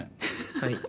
はい。